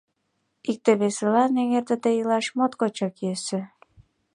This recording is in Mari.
Икте-весылан эҥертыде илаш моткочак йӧсӧ.